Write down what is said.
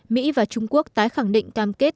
mỹ và trung quốc tái khẳng định cam kết